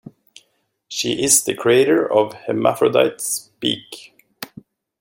She is the creator of Hermaphrodites Speak!